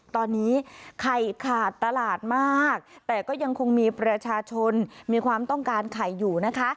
ตอนนี้ไข่ขาดตลาดมากแต่ก็ยังคงมีประชาชนมีความต้องการไข่อยู่นะคะ